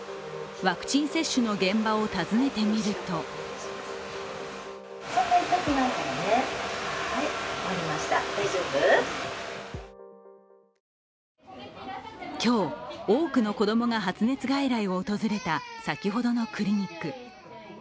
ワクチン接種の現場を訪ねてみると今日、多くの子供が発熱外来を訪れた先ほどのクリニック。